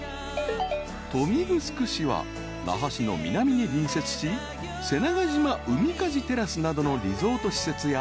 ［豊見城市は那覇市の南に隣接し瀬長島ウミカジテラスなどのリゾート施設や］